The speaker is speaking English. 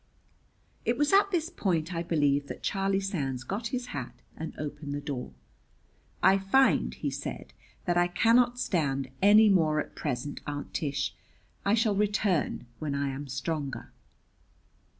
It was at this point, I believe, that Charlie Sands got his hat and opened the door. "I find," he said, "that I cannot stand any more at present, Aunt Tish. I shall return when I am stronger."